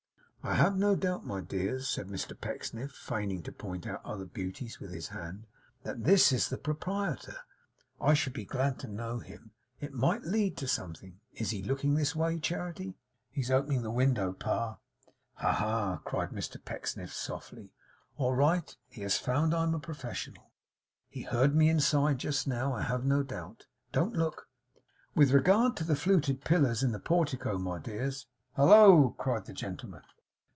'I have no doubt, my dears,' said Mr Pecksniff, feigning to point out other beauties with his hand, 'that this is the proprietor. I should be glad to know him. It might lead to something. Is he looking this way, Charity?' 'He is opening the window pa!' 'Ha, ha!' cried Mr Pecksniff softly. 'All right! He has found I'm professional. He heard me inside just now, I have no doubt. Don't look! With regard to the fluted pillars in the portico, my dears ' 'Hallo!' cried the gentleman.